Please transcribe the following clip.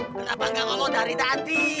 kenapa nggak ngomong dari tadi